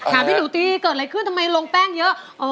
พี่หนูตีเกิดอะไรขึ้นทำไมลงแป้งเยอะ